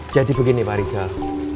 jadi begini pak rijal